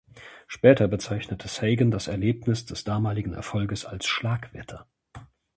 Später bezeichnete Sagan das Erlebnis des damaligen Erfolges als „Schlagwetter“.